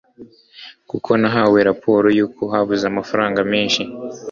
kuko nahawe rapport yuko habuze amafaranga menshi